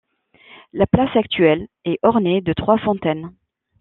La place actuelle est ornée de trois fontaines.